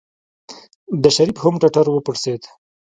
د شريف هم ټټر وپړسېد.